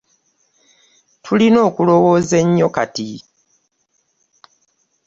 Tulina okulowooza ennyo kati.